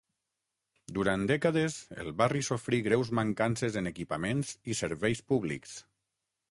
Durant dècades el barri sofrí greus mancances en equipaments i serveis públics.